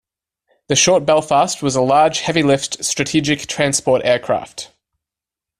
The Short Belfast was a large heavy-lift strategic transport aircraft.